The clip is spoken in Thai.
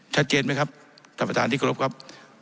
ชัดเจนไหมครับท่านประธานที่กรบครับ